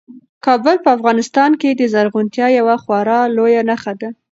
کابل په افغانستان کې د زرغونتیا یوه خورا لویه نښه ده.